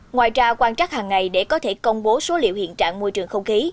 ngoài ra quan trắc hàng ngày để có thể công bố số liệu hiện trạng môi trường không khí